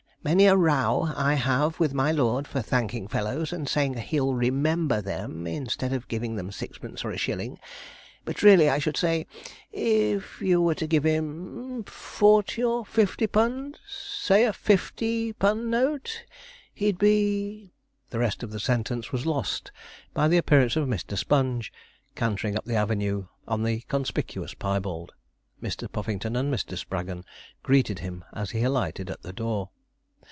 Many a row I have with my lord for thanking fellows, and saying he'll remember them instead of giving them sixpence or a shilling; but really I should say, if you were to give him forty or fifty pund say a fifty pund note, he'd be ' The rest of the sentence was lost by the appearance of Mr. Sponge, cantering up the avenue on the conspicuous piebald. Mr. Puffington and Mr. Spraggon greeted him as he alighted at the door.